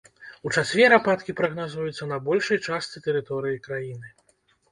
У чацвер ападкі прагназуюцца на большай частцы тэрыторыі краіны.